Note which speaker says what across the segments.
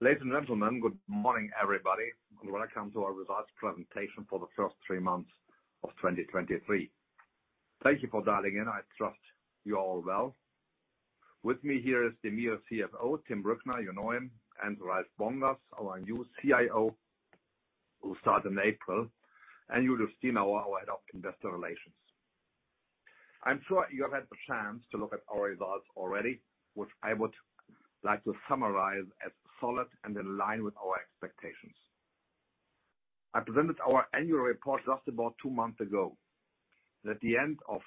Speaker 1: Ladies and gentlemen, good morning, everybody, welcome to our results presentation for the first three months of 2023. Thank you for dialing in. I trust you're all well. With me here is the DEMIRE CFO,,Tim Brückner, you know him, Ralf Bongers, our new CIO, who start in April. You will see now our head of investor relations. I'm sure you have had the chance to look at our results already, which I would like to summarize as solid and in line with our expectations. I presented our annual report just about two months ago. At the end of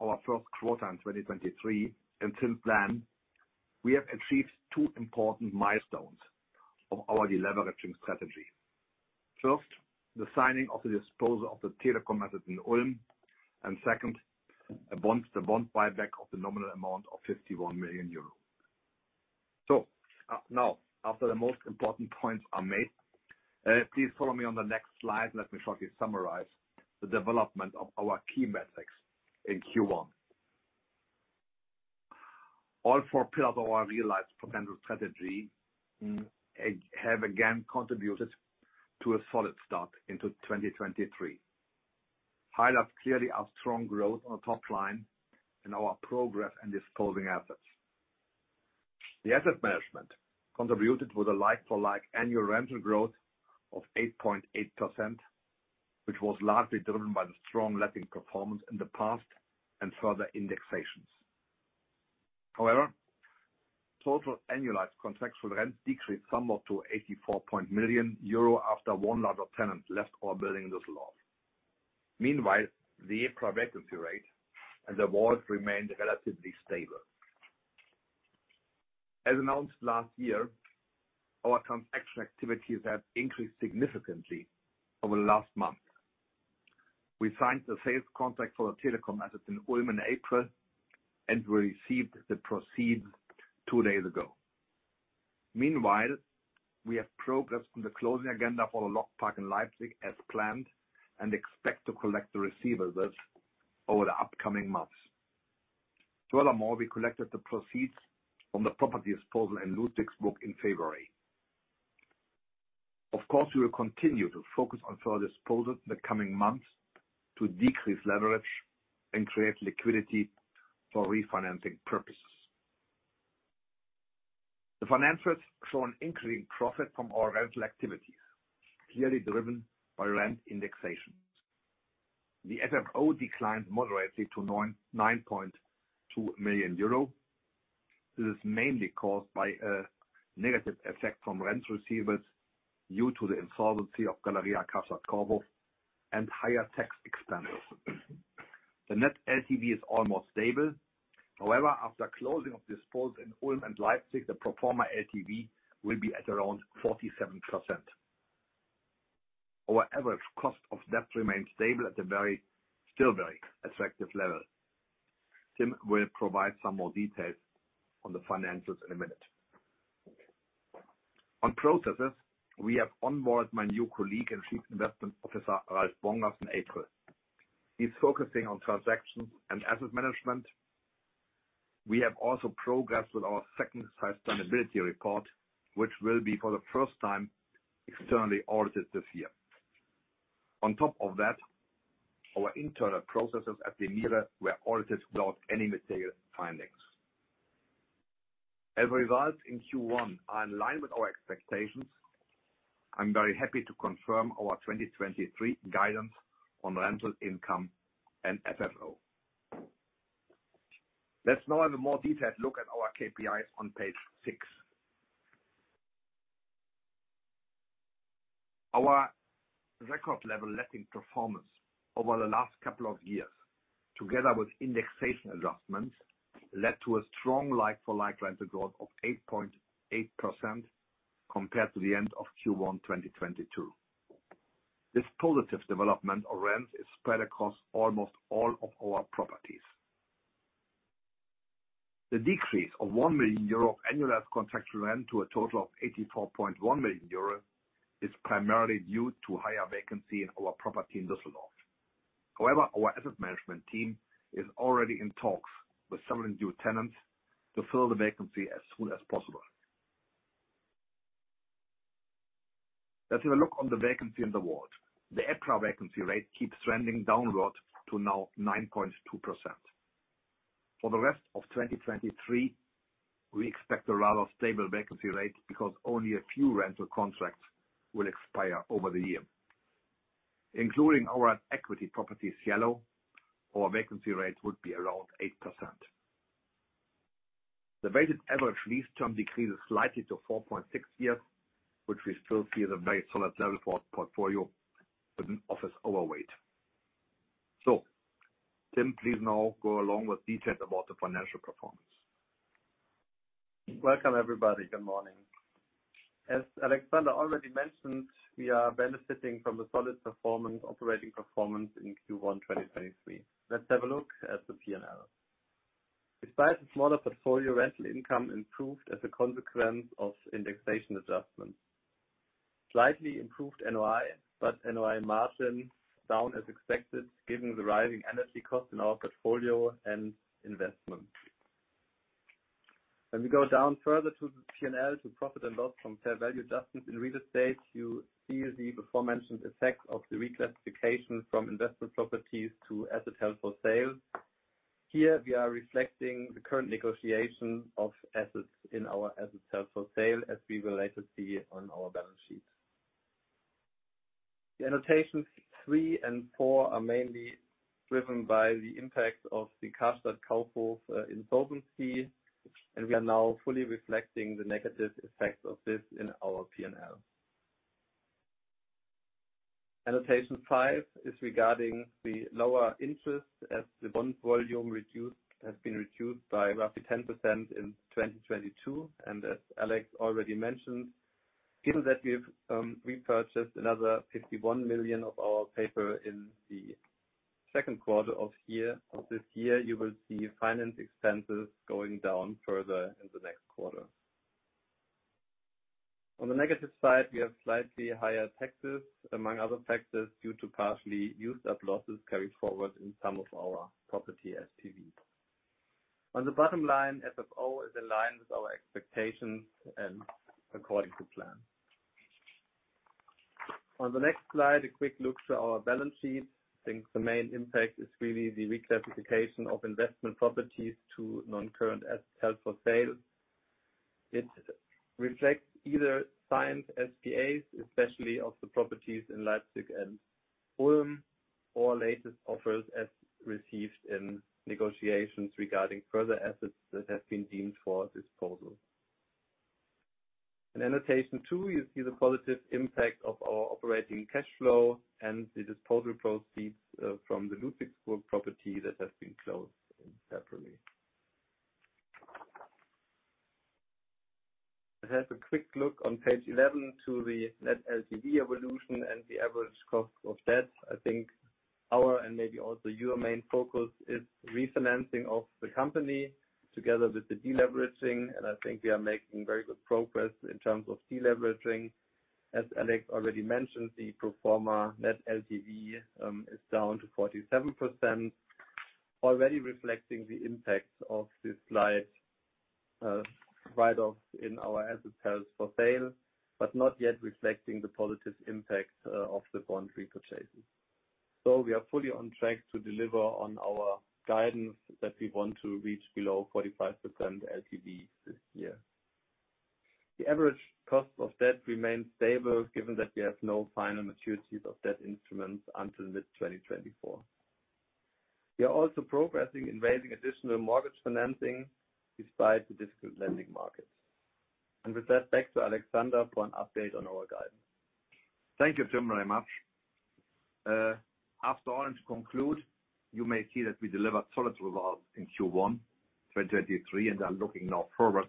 Speaker 1: our first quarter in 2023, until plan, we have achieved two important milestones of our deleveraging strategy. First, the signing of the disposal of the telecom assets in Ulm. Second, a bond, the bond buyback of the nominal amount of 51 million euros. Now, after the most important points are made, please follow me on the next slide. Let me shortly summarize the development of our key metrics in Q1. All four pillars of our realized potential strategy have again contributed to a solid start into 2023. Highlight clearly our strong growth on top line and our progress in disposing assets. The asset management contributed with a like-for-like annual rental growth of 8.8%, which was largely driven by the strong letting performance in the past and further indexations. Total annualized contractual rent decreased somewhat to 84. million after one lot of tenants left our building this loft. Meanwhile, the EPRA vacancy rate and the WALT remained relatively stable. As announced last year, our transaction activities have increased significantly over the last month. We signed the sales contract for the telecom assets in Ulm in April. We received the proceeds two days ago. Meanwhile, we have progressed on the closing agenda for the LogPark in Leipzig as planned and expect to collect the receivables over the upcoming months. Furthermore, we collected the proceeds from the property disposal in Ludwigsburg in February. Of course, we will continue to focus on further disposals in the coming months to decrease leverage and create liquidity for refinancing purposes. The financials show an increase in profit from our rental activities, clearly driven by rent indexations. The FFO declined moderately to 9.2 million euro. This is mainly caused by a negative effect from rent receivables due to the insolvency of Galeria Karstadt Kaufhof and higher tax expenditures. The net LTV is almost stable. After closing of disposals in Ulm and Leipzig, the pro forma LTV will be at around 47%. Our average cost of debt remains stable at a very, still very attractive level. Tim will provide some more details on the financials in a minute. On processes, we have onboard my new colleague and Chief Investment Officer, Ralf Bongers, in April. He's focusing on transactions and asset management. We have also progressed with our second sustainability report, which will be for the first time externally audited this year. On top of that, our internal processes at DEMIRE were audited without any material findings. Results in Q1 are in line with our expectations, I'm very happy to confirm our 2023 guidance on rental income and FFO. Let's now have a more detailed look at our KPIs on page six. Our record level letting performance over the last couple of years, together with indexation adjustments, led to a strong like-for-like rental growth of 8.8% compared to the end of Q1 2022. This positive development of rents is spread across almost all of our properties. The decrease of 1 million euro of annualized contractual rent to a total of 84.1 million euros is primarily due to higher vacancy in our property in Düsseldorf. Our asset management team is already in talks with several new tenants to fill the vacancy as soon as possible. Let's have a look on the vacancy in the world. The EPRA vacancy rate keeps trending downward to now 9.2%. For the rest of 2023, we expect a rather stable vacancy rate because only a few rental contracts will expire over the year. Including our equity properties yellow, our vacancy rate would be around 8%. The weighted average lease term decreases slightly to 4.6 years, which we still see as a very solid level for our portfolio with an office overweight. Tim, please now go along with details about the financial performance.
Speaker 2: Welcome, everybody. Good morning. As Alexander already mentioned, we are benefiting from the solid performance, operating performance in Q1 2023. Let's have a look at the P&L. Despite the smaller portfolio, rental income improved as a consequence of indexation adjustments. Slightly improved NOI margin down as expected, given the rising energy cost in our portfolio and investment. When we go down further to the P&L to profit and loss from fair value adjustments in real estate, you see the beforementioned effect of the reclassification from investment properties to assets held for sale. Here we are reflecting the current negotiation of assets in our assets held for sale, as we will later see on our balance sheet. The annotations three and four are mainly driven by the impact of the cash that Kaufhof invested. We are now fully reflecting the negative effects of this in our P&L. Annotation five is regarding the lower interest as the bond volume reduced, has been reduced by roughly 10% in 2022. As Alex already mentioned, given that we've repurchased another 51 million of our paper in the second quarter of this year, you will see finance expenses going down further in the next quarter. On the negative side, we have slightly higher taxes among other factors due to partially used up losses carried forward in some of our property SPVs. On the bottom line, FFO is aligned with our expectations and according to plan. On the next slide, a quick look to our balance sheet. I think the main impact is really the reclassification of investment properties to non-current assets held for sale. It reflects either signed SPAs, especially of the properties in Leipzig and Ulm, or latest offers as received in negotiations regarding further assets that have been deemed for disposal. In annotation two, you see the positive impact of our operating cash flow and the disposal proceeds from the Ludwigsburg property that has been closed in February. Let's have a quick look on page 11 to the net LTV evolution and the average cost of debt. I think our, and maybe also your main focus is refinancing of the company together with the deleveraging, and I think we are making very good progress in terms of deleveraging. As Alex already mentioned, the proforma net LTV is down to 47%, already reflecting the impact of this slide, write-off in our assets held for sale, but not yet reflecting the positive impact of the bond repurchases. We are fully on track to deliver on our guidance that we want to reach below 45% LTV this year. The average cost of debt remains stable given that we have no final maturities of debt instruments until mid-2024. We are also progressing in raising additional mortgage financing despite the difficult lending markets. With that, back to Alexander for an update on our guidance.
Speaker 1: Thank you, Tim, very much. After all and to conclude, you may see that we delivered solid results in Q1 2023 and are looking now forward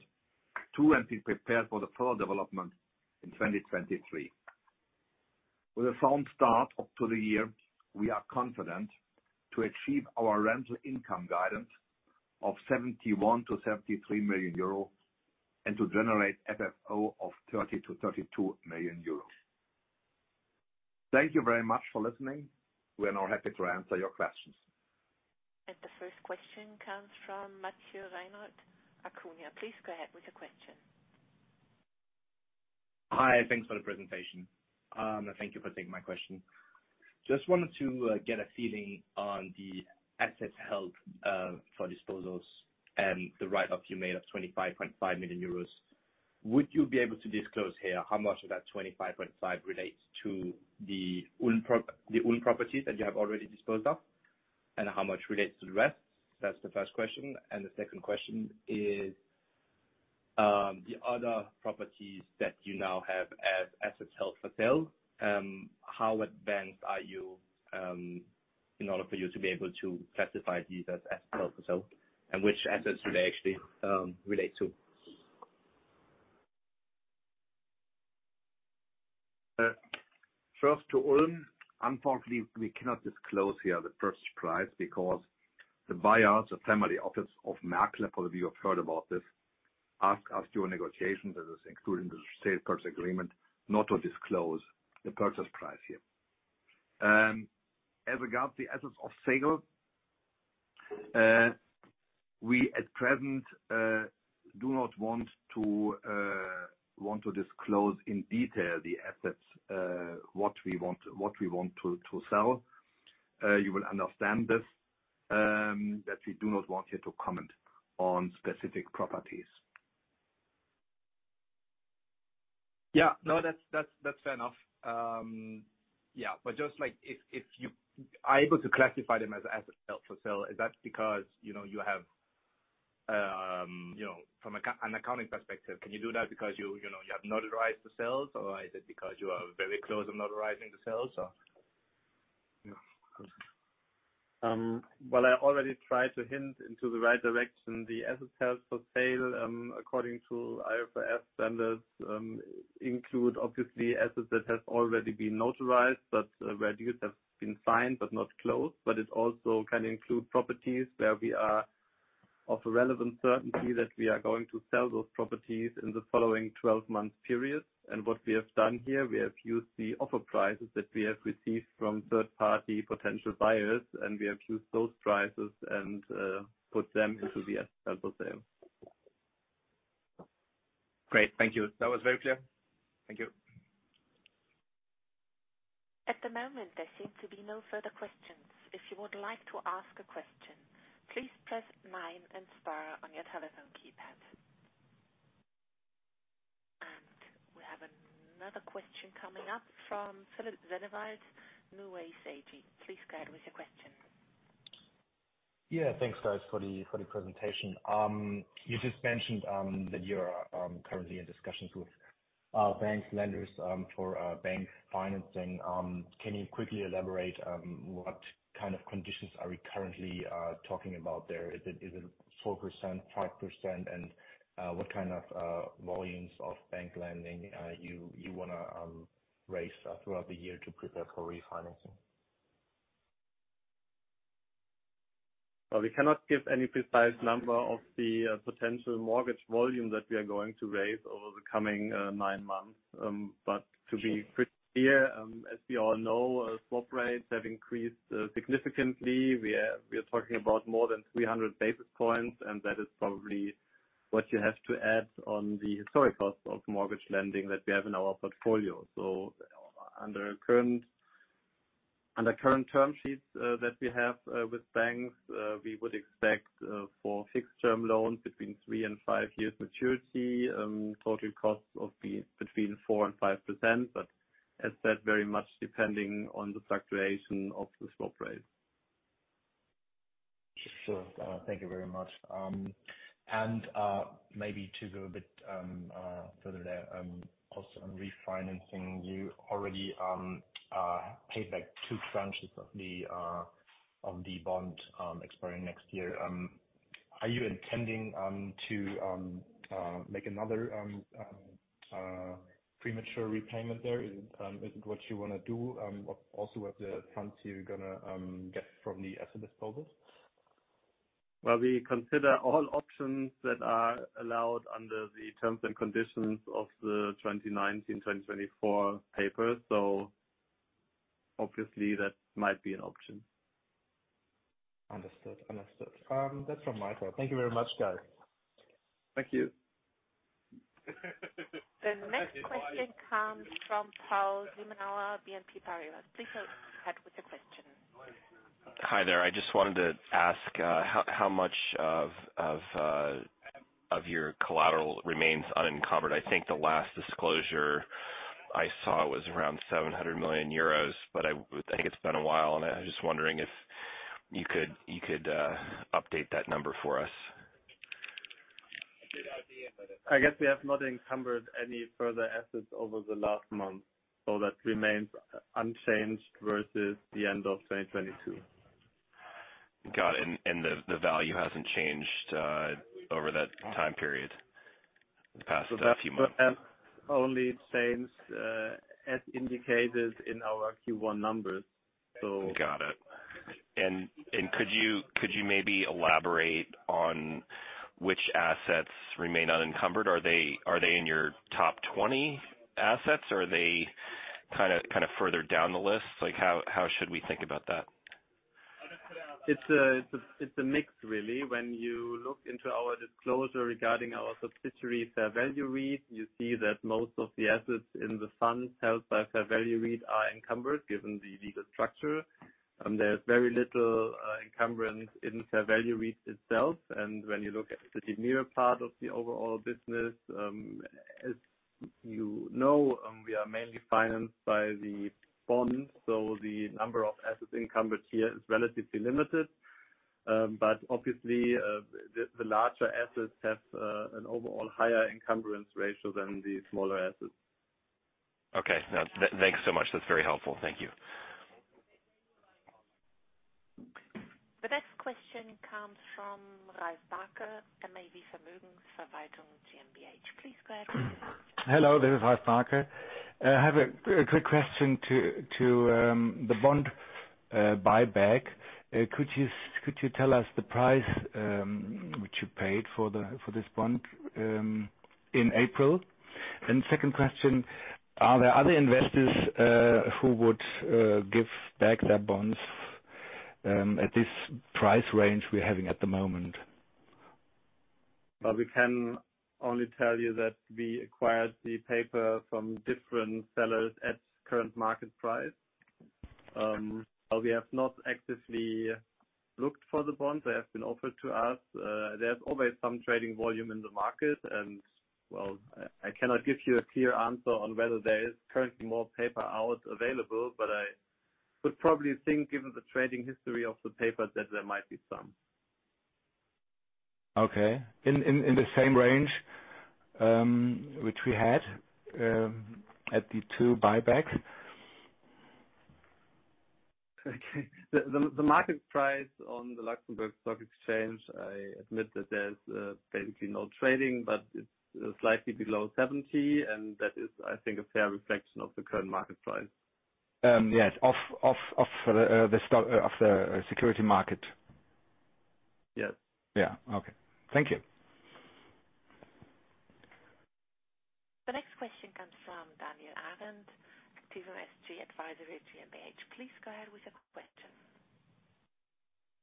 Speaker 1: to and be prepared for the further development in 2023. With a sound start up to the year, we are confident to achieve our rental income guidance of 71 million-73 million euro and to generate FFO of 30 million-32 million euro. Thank you very much for listening. We are now happy to answer your questions.
Speaker 3: The first question comes from Matthias Reiner, Acuita. Please go ahead with your question.
Speaker 4: Hi. Thanks for the presentation. Thank you for taking my question. Just wanted to get a feeling on the assets held for sale and the write-off you made of 25.5 million euros. Would you be able to disclose here how much of that 25.5 relates to the Ulm properties that you have already disposed of, and how much relates to the rest? That's the first question. The second question is, the other properties that you now have as assets held for sale, how advanced are you in order for you to be able to classify these as assets held for sale? Which assets do they actually relate to?
Speaker 1: First to Ulm. Unfortunately, we cannot disclose here the purchase price because the buyers, the Family Office of Merckle, for those of you who have heard about this, asked us during negotiations, and this is included in the sale purchase agreement, not to disclose the purchase price here. As regards the assets of sale, we at present do not want to disclose in detail the assets what we want to sell. You will understand this that we do not want here to comment on specific properties.
Speaker 4: Yeah. No. That's fair enough. Yeah. Just, like, if you are able to classify them as assets held for sale, is that because, you know, you have, you know, from an accounting perspective, can you do that because you know, you have notarized the sales, or is it because you are very close to notarizing the sales or?
Speaker 2: Yeah. Well, I already tried to hint into the right direction. The assets held for sale, according to IFRS standards, include obviously assets that have already been notarized, but where deals have been signed but not closed. It also can include properties where we are of a relevant certainty that we are going to sell those properties in the following 12-month period. What we have done here, we have used the offer prices that we have received from third-party potential buyers, and we have used those prices and put them into the asset sale.
Speaker 4: Great. Thank you. That was very clear. Thank you.
Speaker 3: At the moment, there seem to be no further questions. If you would like to ask a question, please press 9 and star on your telephone keypad. We have another question coming up from Philipp Zieschang, Neue Zurcher Zeitung. Please go ahead with your question.
Speaker 5: Thanks, guys, for the presentation. You just mentioned that you're currently in discussions with banks, lenders, for bank financing. Can you quickly elaborate what kind of conditions are we currently talking about there? Is it 4%, 5%? What kind of volumes of bank lending you wanna raise throughout the year to prepare for refinancing?
Speaker 2: Well, we cannot give any precise number of the potential mortgage volume that we are going to raise over the coming nine months. To be clear, as we all know, swap rates have increased significantly. We are talking about more than 300 basis points, and that is probably what you have to add on the historic cost of mortgage lending that we have in our portfolio. Under current term sheets that we have with banks, we would expect for fixed-term loans between three and five years maturity, total costs of between 4% and 5%. As said, very much depending on the fluctuation of the swap rate.
Speaker 5: Sure. Thank you very much. Maybe to go a bit further there, also on refinancing, you already paid back two tranches of the of the bond expiring next year. Are you intending to make another premature repayment there? Is it what you wanna do also with the funds you're gonna get from the asset disposals?
Speaker 2: Well, we consider all options that are allowed under the terms and conditions of the 2019-2024 paper. Obviously that might be an option.
Speaker 5: Understood. That's all from my side. Thank you very much, guys.
Speaker 2: Thank you.
Speaker 3: The next question comes from Paul l, BNP Paribas. Please go ahead with your question.
Speaker 6: Hi there. I just wanted to ask how much of your collateral remains unencumbered? I think the last disclosure I saw was around 700 million euros. I think it's been a while, I'm just wondering if you could update that number for us.
Speaker 2: I guess we have not encumbered any further assets over the last month, so that remains unchanged versus the end of 2022.
Speaker 6: Got it. The value hasn't changed over that time period, the past few months?
Speaker 2: That's only the same, as indicated in our Q1 numbers, so.
Speaker 6: Got it. could you maybe elaborate on which assets remain unencumbered? Are they in your top 20 assets, or are they kinda further down the list? Like, how should we think about that?
Speaker 2: It's a mix really. When you look into our disclosure regarding our subsidiary, Fair Value REIT, you see that most of the assets in the fund held by Fair Value REIT are encumbered given the legal structure. There's very little encumbrance in Fair Value REIT itself. When you look at the DEMIRE part of the overall business, as you know, we are mainly financed by the bond, so the number of assets encumbered here is relatively limited. Obviously, the larger assets have an overall higher encumbrance ratio than the smaller assets.
Speaker 6: Okay. No, thanks so much. That's very helpful. Thank you.
Speaker 3: The next question comes from Ralf Becker, B&A BAVARIA INVEST Vermögensverwaltung GmbH. Please go ahead.
Speaker 7: Hello, this is Ralf Becker. I have a quick question to the bond buyback. Could you tell us the price which you paid for this bond in April? Second question, are there other investors who would give back their bonds at this price range we're having at the moment?
Speaker 2: We can only tell you that we acquired the paper from different sellers at current market price. We have not actively looked for the bonds. They have been offered to us. There's always some trading volume in the market, well, I cannot give you a clear answer on whether there is currently more paper out available. I would probably think given the trading history of the paper that there might be some.
Speaker 7: Okay. In the same range, which we had, at the 2 buybacks?
Speaker 2: Okay. The market price on the Luxembourg Stock Exchange, I admit that there's basically no trading, but it's slightly below 70%, and that is, I think, a fair reflection of the current market price.
Speaker 1: Yes. Off the security market.
Speaker 2: Yes.
Speaker 1: Yeah. Okay. Thank you.
Speaker 3: The next question comes from Daniela Runde, TII Management GmbH. [inaudible] Please go ahead with your question.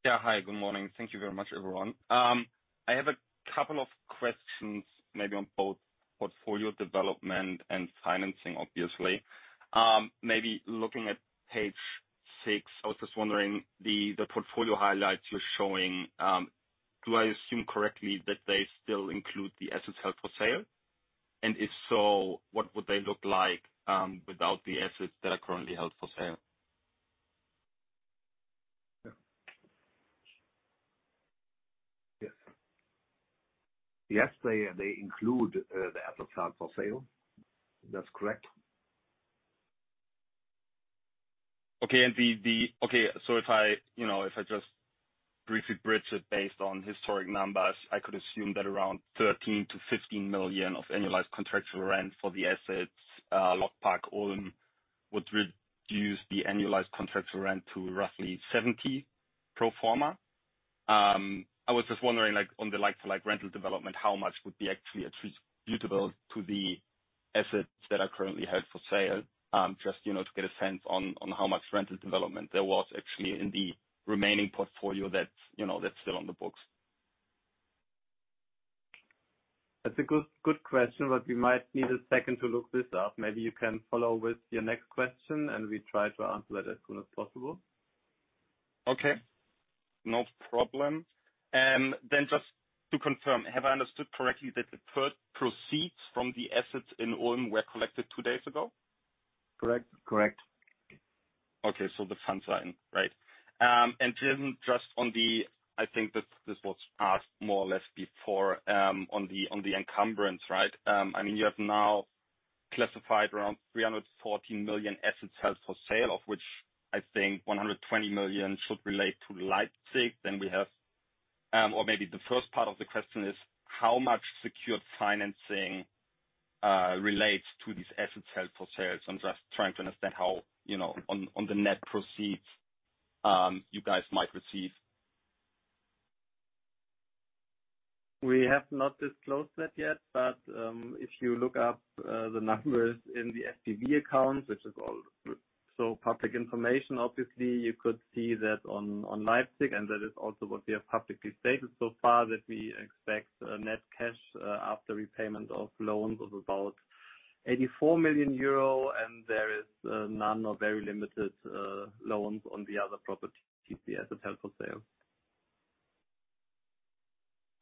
Speaker 8: Hi, good morning. Thank you very much, everyone. I have a couple of questions maybe on both portfolio development and financing, obviously. Maybe looking at page six, I was just wondering the portfolio highlights you're showing, do I assume correctly that they still include the assets held for sale? If so, what would they look like without the assets that are currently held for sale?
Speaker 1: Yeah. Yes. Yes, they include the assets held for sale. That's correct.
Speaker 8: Okay. Okay. If I, you know, if I just briefly bridge it based on historic numbers, I could assume that around 13 million-15 million of annualized contractual rent for the assets, LogPark Ulm, would reduce the annualized contractual rent to roughly 70 million pro forma. I was just wondering, like, on the like-to-like rental development, how much would be actually attributable to the assets that are currently held for sale, just, you know, to get a sense on how much rental development there was actually in the remaining portfolio that's, you know, that's still on the books.
Speaker 2: That's a good question. We might need a second to look this up. Maybe you can follow with your next question. We try to answer that as soon as possible.
Speaker 8: Okay. No problem. Just to confirm, have I understood correctly that the first proceeds from the assets in Ulm were collected two days ago?
Speaker 2: Correct. Correct.
Speaker 8: Okay. So that's in, right. Then just on the-- I think that this was asked more or less before, on the, on the encumbrance, right? I mean, you have now classified around 314 million assets held for sale, of which I think 120 million should relate to Leipzig. Or maybe the first part of the question is how much secured financing relates to these assets held for sale? I'm just trying to understand how, you know, on the net proceeds, you guys might receive.
Speaker 2: We have not disclosed that yet, but if you look up the numbers in the FVPL account, which is all so public information, obviously, you could see that on Leipzig, and that is also what we have publicly stated so far that we expect a net cash after repayment of loans of about 84 million euro, and there is none or very limited loans on the other property as a sale.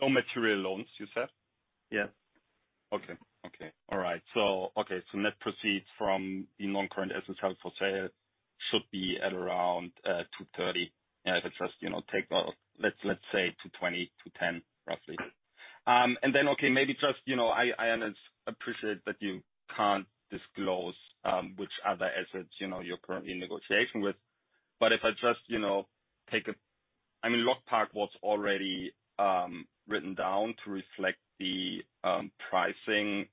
Speaker 8: No material loans, you said?
Speaker 2: Yes.
Speaker 8: Net proceeds from the non-current assets held for sale should be at around 230 million. If it's just, you know, take off, let's say 220 million, 210 million, roughly. Maybe just, you know, I appreciate that you can't disclose which other assets, you know, you're currently in negotiation with. If I just, you know, I mean, LogPark was already written down to reflect the pricing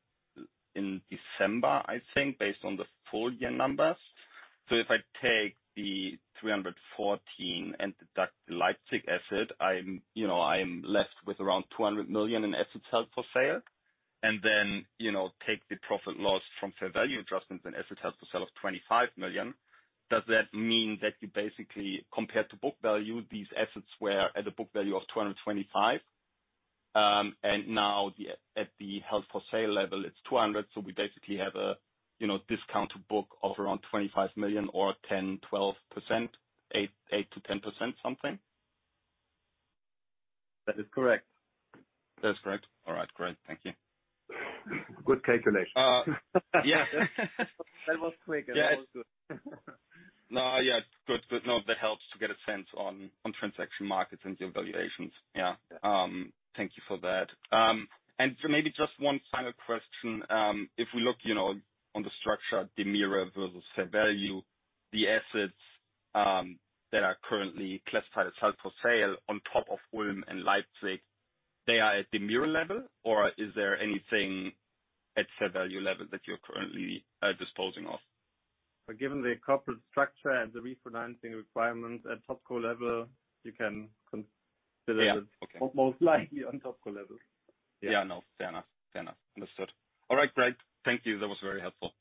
Speaker 8: in December, I think, based on the full year numbers. If I take the 314 million and deduct the Leipzig asset, I'm, you know, I'm left with around 200 million in assets held for sale. You know, take the profit loss from fair value adjustments and assets held for sale of 25 million. Does that mean that you basically, compared to book value, these assets were at a book value of 225 million? At the held for sale level, it's 200 million, so we basically have a, you know, discount to book of around 25 million or 10%-12%, 8%-10% something.
Speaker 2: That is correct.
Speaker 8: That is correct. All right. Great. Thank you.
Speaker 1: Good calculation.
Speaker 8: Yeah.
Speaker 2: That was quick. That was good.
Speaker 8: No, yeah. Good. Good. No, that helps to get a sense on transaction markets and your valuations. Yeah. Thank you for that. Maybe just one final question. If we look, you know, on the structure, DEMIRE versus Fair Value, the assets, that are currently classified as assets held for sale on top of Ulm and Leipzig, they are at the DEMIRE level or is there anything at Fair Value level that you're currently disposing of?
Speaker 2: Given the corporate structure and the refinancing requirements at Topco level, you can consider-
Speaker 8: Yeah. Okay.
Speaker 2: Most likely on Topco level.
Speaker 8: Yeah. No. Fair enough. Fair enough. Understood. All right. Great. Thank you. That was very helpful.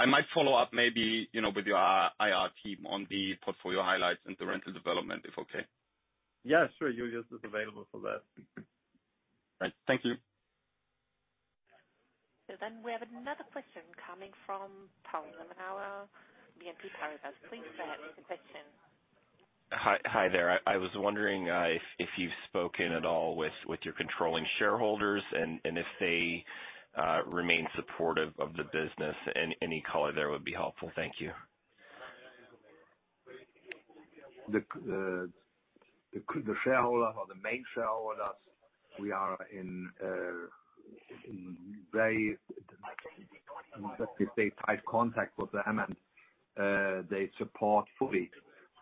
Speaker 8: I might follow up maybe, you know, with your IR team on the portfolio highlights and the rental development, if okay.
Speaker 2: Yeah, sure. Julius is available for that.
Speaker 8: Thank you.
Speaker 3: We have another question coming from Paul Zimnol, BNP Paribas. Please go ahead with the question.
Speaker 6: Hi. Hi there. I was wondering if you've spoken at all with your controlling shareholders and if they remain supportive of the business and any color there would be helpful. Thank you.
Speaker 1: The shareholder or the main shareholder, we are in very, let's just say, tight contact with them and they support fully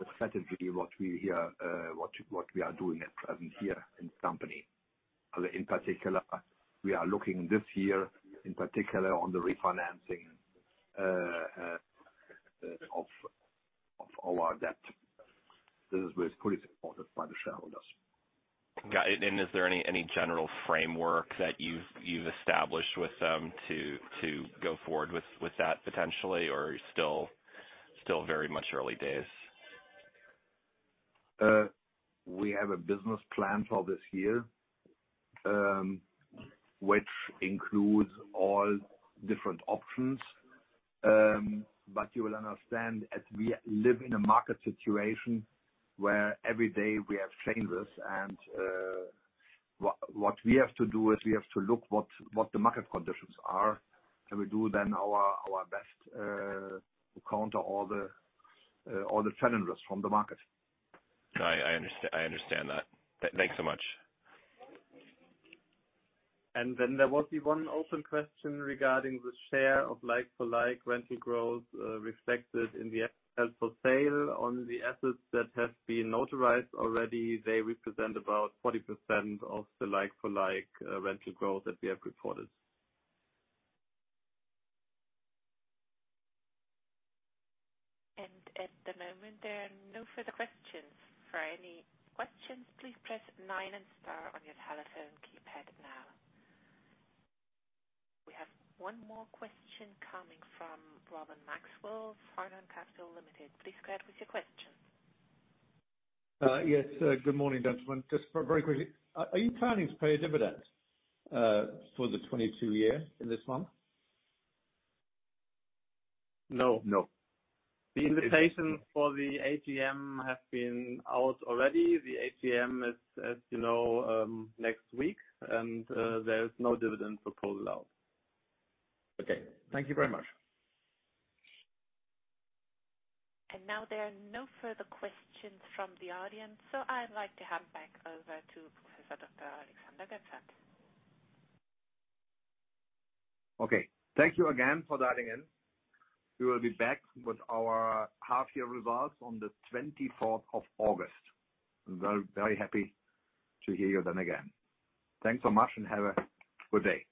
Speaker 1: the strategy what we here, what we are doing at present here in the company. In particular, we are looking this year, in particular on the refinancing of our debt. This is fully supported by the shareholders.
Speaker 6: Got it. Is there any general framework that you've established with them to go forward with that potentially or still very much early days?
Speaker 1: We have a business plan for this year, which includes all different options. You will understand as we live in a market situation where every day we have challenges and what we have to do is we have to look what the market conditions are, and we do then our best to counter all the challenges from the market.
Speaker 6: I understand that. Thanks so much.
Speaker 2: There was one open question regarding the share of like-for-like rental growth reflected in the sale. On the assets that have been notarized already, they represent about 40% of the like-for-like rental growth that we have reported.
Speaker 3: At the moment, there are no further questions. For any questions, please press nine and star on your telephone keypad now. We have one more question coming from Robin Maxwell, Farnham Capital Limited. Please go ahead with your question.
Speaker 9: Yes. Good morning, gentlemen. Just very quickly, are you planning to pay a dividend for the 2022 year in this month?
Speaker 2: No.
Speaker 1: No.
Speaker 2: The invitation for the AGM have been out already. The AGM is, as you know, next week. There is no dividend proposal out.
Speaker 9: Okay. Thank you very much.
Speaker 3: Now there are no further questions from the audience, I'd like to hand back over to Prof. Dr. Alexander Goepfert.
Speaker 1: Okay. Thank you again for dialing in. We will be back with our half year results on the 24th of August. Very, very happy to hear you then again. Thanks so much and have a good day.